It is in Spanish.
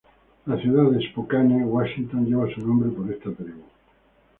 La ciudad de Spokane, Washington lleva su nombre por esta tribu.